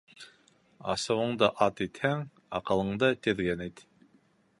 Асыуыңды ат итһәң, аҡылыңды теҙген ит.